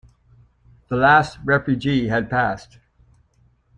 The last refugee had passed.